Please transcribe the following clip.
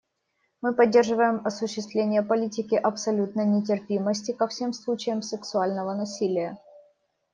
Мы поддерживаем осуществление политики абсолютной нетерпимости ко всем случаям сексуального насилия.